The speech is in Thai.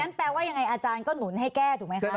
แปลว่ายังไงอาจารย์ก็หนุนให้แก้ถูกไหมคะ